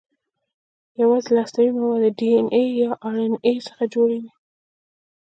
یواځې له هستوي موادو ډي ان اې یا ار ان اې څخه جوړ وي.